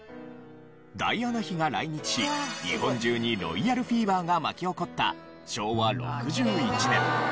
ダイアナ妃が来日し日本中にロイヤルフィーバーが巻き起こった昭和６１年。